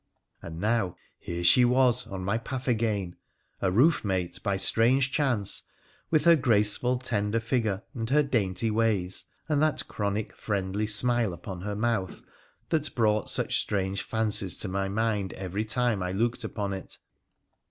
And now, here she was on my path again, a roof mate by strange chance, with her graceful tender figure and her dainty ways, and that chronic friendly smile upon her mouth that brought such strange fancies to my mind every time I looked upon it.